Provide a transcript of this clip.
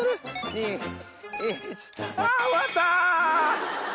２・１あぁ終わった！